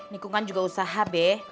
nikung kan juga usaha be